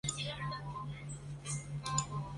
有效瓦解群众暴力攻击